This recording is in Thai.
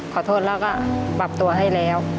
ขอโทษแล้วก็ปรับตัวให้แล้ว